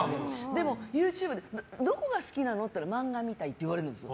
でも、ＹｏｕＴｕｂｅでどこが好きなの？って言ったら漫画みたいって言われるんです。